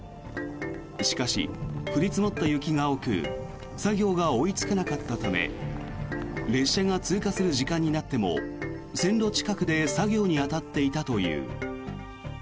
しかし、降り積もった雪が多く作業が追いつかなかったため列車が通過する時間になっても線路近くで作業に当たっていたという。